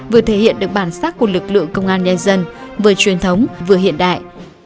vừa thể hiện được bản sắc của lực lượng công an nhân dân vừa truyền thống vừa hiện đại